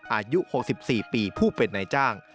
อายุ๖๔ปีผู้เป็นนายจ้าง